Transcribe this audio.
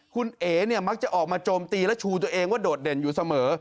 คุณเอ๋เนี่ยมักจะออกมาโจมตีและชูตัวเองว่าโดดเด่นอยู่เสมอ